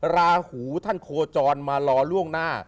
ราหูท่านโคจรมารอล่วงหน้า